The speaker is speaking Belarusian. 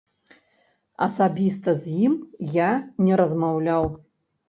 Асабіста з ім я не размаўляў.